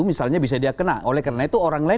misalnya bisa dia kena oleh karena itu orang lain